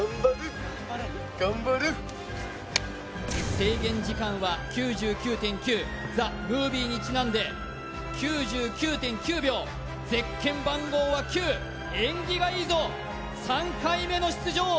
制限時間は「９９．９ｔｈｅｍｏｖｉｅ」にちなんで９９．９秒ゼッケン番号は９縁起がいいぞ３回目の出場